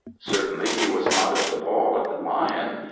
Certainly, he was not at the ball at the Lion.